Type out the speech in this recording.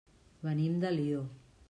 Venim d'Alió.